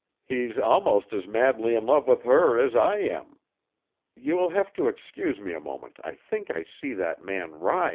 He's almost as madly in love with her as I am you will have to excuse me a moment, I think I see that man Ryan."